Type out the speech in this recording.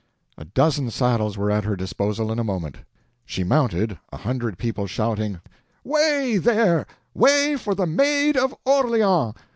A dozen saddles were at her disposal in a moment. She mounted, a hundred people shouting: "Way, there—way for the MAID OF ORLEANS!"